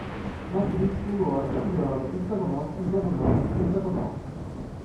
matriz, modular, figurado, heptagonal, hexagonal, pentagonal